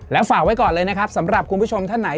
แล้วฝ่าไว้ก่อนเลยสำหรับคุณผู้ชมท่านไหน